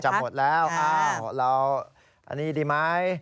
จำหมดแล้วอ้าวอันนี้ดีไหม